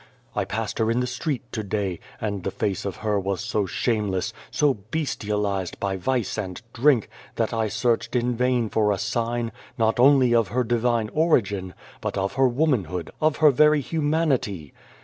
" I passed her in the street to day, and the face of her was so shameless, so bestialised by vice and drink, that I searched in vain for a sign, not only of her Divine origin, but of her womanhood, of her very humanity.